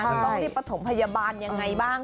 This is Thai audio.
ต้องที่ปฐมพยาบาลยังไงบ้าง